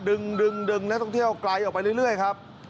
ดึงนักท่องเที่ยวไกลออกไปเรื่อยครับ